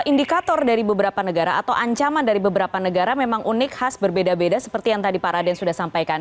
indikator dari beberapa negara atau ancaman dari beberapa negara memang unik khas berbeda beda seperti yang tadi pak raden sudah sampaikan